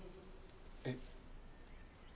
えっ。